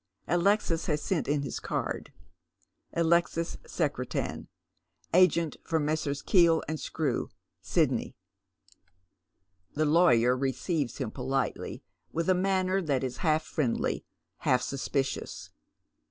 Alexis has sent in his card :— Alexis Secretan, Agent for Messrs. Keel & SkreWj Sidney. The lawyer receives him politely, with a manner that is half friendly, half suspicious.